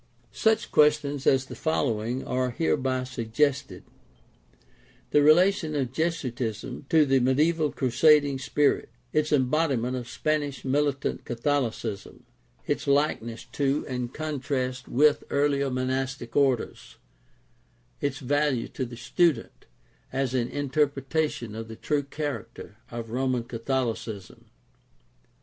Such questions as the following are hereby suggested: the relation of Jesuitism to the mediaeval crusading spirit; its embodiment of Spanish militant Catholicism; its likeness to and contrast with earlier monastic orders; its value to THE PROTESTANT REFORMATION 409 the student as an interpretation of the true character of Roman Cathohcism.